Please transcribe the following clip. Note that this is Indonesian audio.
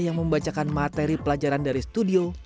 yang membacakan materi pelajaran dari studio